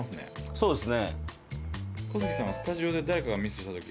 そうですね